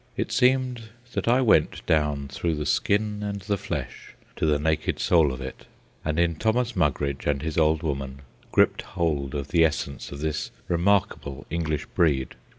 It seemed that I went down through the skin and the flesh to the naked soul of it, and in Thomas Mugridge and his old woman gripped hold of the essence of this remarkable English breed.